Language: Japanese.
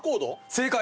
正解！